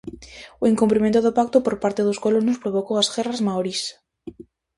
O incumprimento do pacto por parte dos colonos provocou as Guerras Maorís.